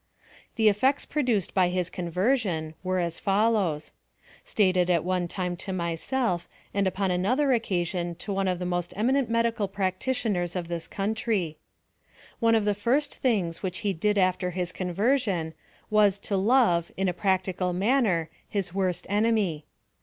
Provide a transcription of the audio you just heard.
The effects produced by his conversion, were as follows — stated at one time to myself, and upon another occasion to one of the most eminent medical practitioners in this country :— One of the first things which he did after his conversion, was to love, in a practical manner, his worst enemy.